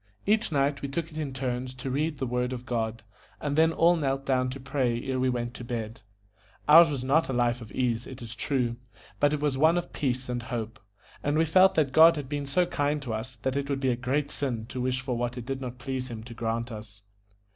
Each night we took it in turns to read the Word of God, and then all knelt down to pray ere we went to bed. Ours was not a life of ease, it is true, but it was one of peace and hope; and we felt that God had been so kind to us that it would be a great sin to wish for what it did not please Him to grant us.